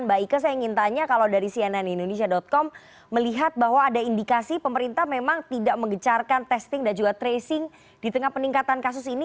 mbak ike saya ingin tanya kalau dari cnnindonesia com melihat bahwa ada indikasi pemerintah memang tidak mengecarkan testing dan juga tracing di tengah peningkatan kasus ini